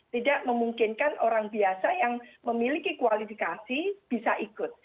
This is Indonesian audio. tidak memungkinkan orang biasa yang memiliki kualifikasi bisa ikut